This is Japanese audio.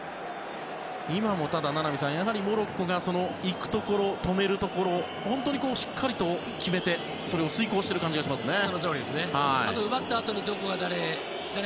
今のも、名波さんモロッコが行くところ、止めるところ本当にしっかりと決めてそれを遂行している感じがしますね。